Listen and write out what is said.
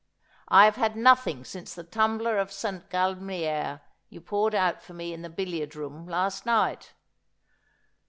' I have had nothing since the tumbler of St. Galmier you poured out for me in the billiard room last night.'